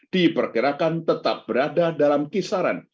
diperkirakan tetap berada dalam kisaran